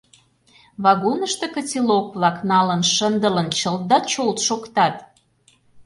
Вагонышто котелок-влак налын-шындылын чылт да чолт шоктат.